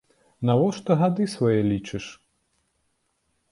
Навошта гады свае лічыш?